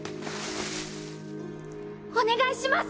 お願いします